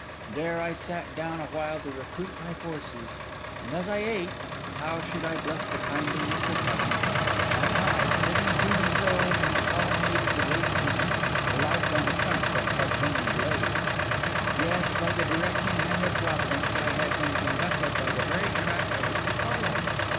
There I sat down awhile to recruit my forces; and as I ate (how should I bless the kindliness of Heaven!) my eye, flitting to and fro in the colonnade of the great trees, alighted on a trunk that had been blazed. Yes, by the directing hand of Providence, I had been conducted to the very track I was to follow.